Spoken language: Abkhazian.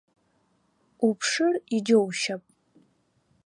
Уԥшыр, иџьоушьап.